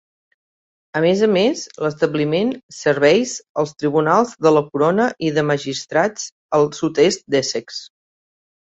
A més a més, l'establiment serveis els Tribunals de la Corona i de Magistrats al sud-est d'Essex.